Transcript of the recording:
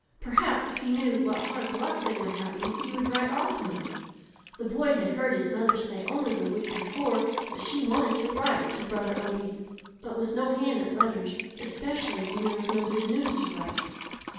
Perhaps if he knew what hard luck they were having he would write oftener. The boy had heard his mother say only the week before that she wanted to write to Brother Obie, but was no hand at letters, especially when there was no good news to write.